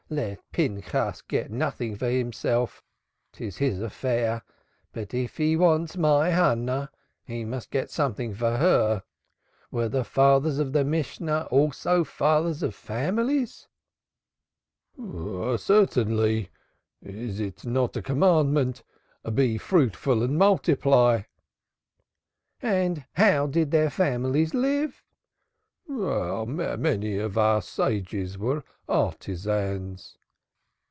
Let Pinchas get nothing for himself, 'tis his affair, but, if he wants my Hannah, he must get something for her. Were the fathers of the Mishna also fathers of families?" "Certainly; is it not a command 'Be fruitful and multiply'?" "And how did their families live?" "Many of our sages were artisans."